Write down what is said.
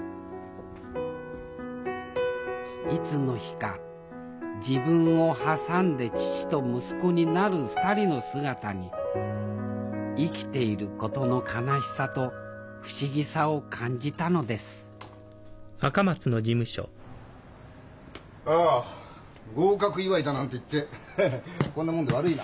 いつの日か自分を挟んで父と息子になる２人の姿に生きていることの悲しさと不思議さを感じたのですああ合格祝だなんて言ってハハッこんな物で悪いな。